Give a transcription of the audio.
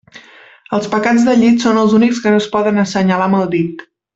Els pecats del llit són els únics que no es poden assenyalar amb el dit.